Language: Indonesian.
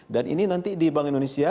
dan ini nanti di bank indonesia